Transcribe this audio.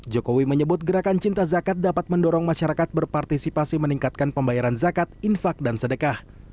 jokowi menyebut gerakan cinta zakat dapat mendorong masyarakat berpartisipasi meningkatkan pembayaran zakat infak dan sedekah